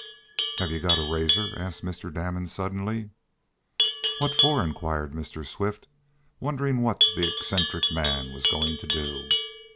"Have you got a razor?" asked Mr. Damon suddenly. "What for?" inquired Mr. Swift, wondering what the eccentric man was going to do.